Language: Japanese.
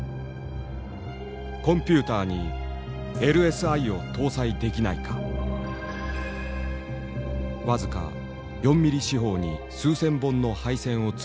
「コンピューターにＬＳＩを搭載できないか」。僅か４ミリ四方に数千本の配線を詰め込んだＬＳＩ。